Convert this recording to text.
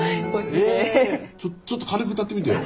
ちょっと軽く歌ってみてよ。